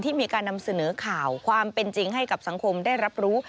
มีการนำเสนอข่าวความเป็นจริงให้กับสังคมได้รับรู้